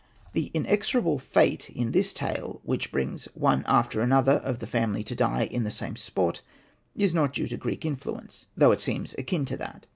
The inexorable fate in this tale which brings one after another of the family to die in the same spot is not due to Greek influence, though it seems akin to that.